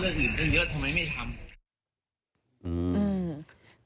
เรื่องยอดเยอะสมัยไม่ทำ